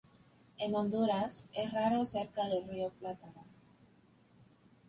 En Honduras, es raro cerca del río Plátano.